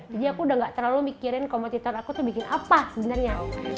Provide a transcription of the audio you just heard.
jadi aku udah gak terlalu mikirin kompetitor aku tuh bikin apa sebenernya